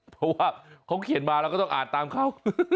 เพราะว่าเขาเขียนมาเราก็ต้องอ่านตามเขา